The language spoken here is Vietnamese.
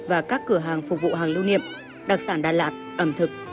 và các cửa hàng phục vụ hàng lưu niệm đặc sản đà lạt ẩm thực